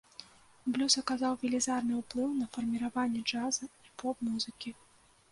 Блюз аказаў велізарны ўплыў на фарміраванне джаза і поп-музыкі.